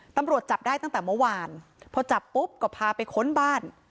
ตำรวจจับได้ตั้งแต่เมื่อวานพอจับปุ๊บก็พาไปค้นบ้าน